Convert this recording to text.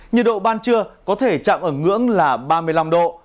nhiệt độ ban trưa có thể chạm ở ngưỡng là ba mươi năm độ